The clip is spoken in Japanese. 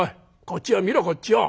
こっちを見ろこっちを！